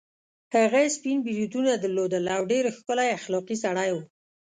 هغه سپین بریتونه درلودل او ډېر ښکلی اخلاقي سړی وو.